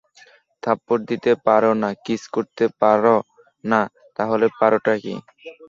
থাপ্পড় দিতে পারো না, কিস করতে পারো না, তাহলে পারো টা কি?